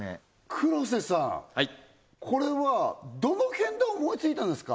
黒瀬さんこれははいどの辺で思いついたんですか？